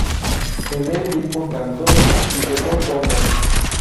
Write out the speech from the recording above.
En el mismo cantó y tocó conga.